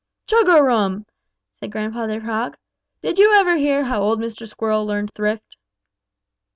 "Chug a rum!" said Grandfather Frog, "Did you ever hear how old Mr. Squirrel learned thrift?"